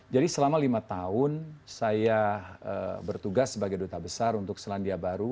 jadi selama lima tahun saya bertugas sebagai duta besar untuk selandia baru